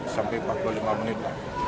sampai empat puluh lima menit